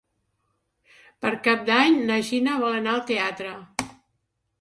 Per Cap d'Any na Gina vol anar al teatre.